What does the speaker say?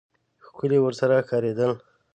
ښکلي ورسره ښکارېدل.